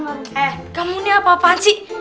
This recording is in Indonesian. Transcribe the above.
eh kamu ini apa apa sih